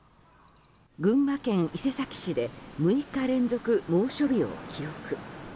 群馬県伊勢崎市で６日連続猛暑日を記録。